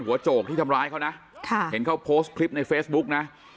โจกที่ทำร้ายเขานะค่ะเห็นเขาโพสต์คลิปในเฟซบุ๊กนะ